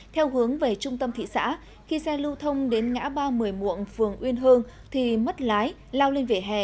theo hướng về trung tâm thị xã khi xe lưu thông đến ngã ba mươi muộng phường uyên hương thì mất lái lao lên vỉa hè